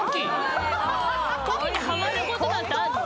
・ポキにハマることなんてあるの？